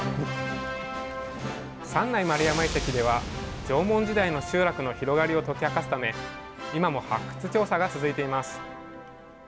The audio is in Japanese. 三内丸山遺跡では縄文時代の集落の広がりを解き明かすため今も発掘調査が続いています。